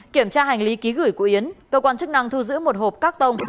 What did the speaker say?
kiểm tra hành lý ký gửi của yến cơ quan chức năng thu giữ một hộp các tông